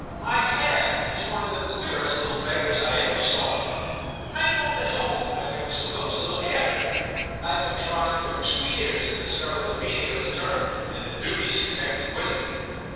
' My fag ; he's one of the queerest little beggars I ever saw; I know him at home, and am supposed to look after him. IVe been trying for two years to discover the meaning of the term, and the duties con nected with it.'